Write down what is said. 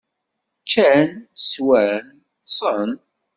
Ččan, swan, ṭṭsen.